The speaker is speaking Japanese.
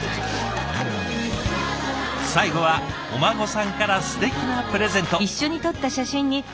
最後はお孫さんからすてきなプレゼント。